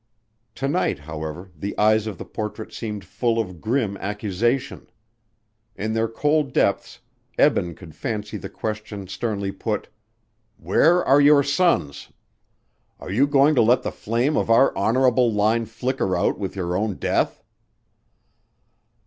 To night, however, the eyes of the portrait seemed full of grim accusation. In their cold depths Eben could fancy the question sternly put, "Where are your sons? Are you going to let the flame of our honorable line flicker out with your own death?"